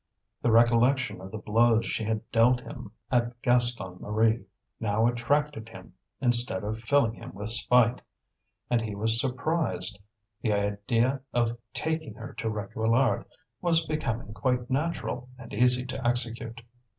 The recollection of the blows she had dealt him at Gaston Marie now attracted him instead of filling him with spite. And he was surprised; the idea of taking her to Réquillart was becoming quite natural and easy to execute.